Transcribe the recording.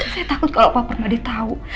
saya takut kalau pak permadi tahu